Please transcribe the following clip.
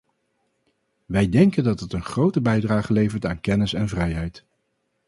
Wij denken dat het een grote bijdrage levert aan kennis en vrijheid.